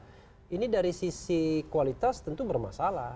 jadi dari sisi kualitas tentu bermasalah